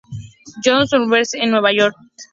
John's University en Nueva York.